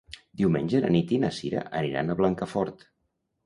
Diumenge na Nit i na Sira aniran a Blancafort.